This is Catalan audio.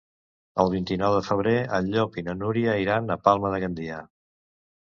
El vint-i-nou de febrer en Llop i na Núria iran a Palma de Gandia.